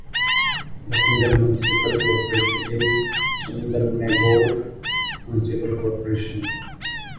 The single municipal corporation is Chandernagore Municipal Corporation.